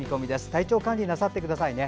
体調管理なさってくださいね。